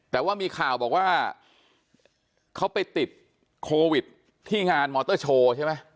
แต่ว่ามีข่าวบอกว่าเขาไปติดโควิดที่งานมอเตอร์โชว์ใช่ไหม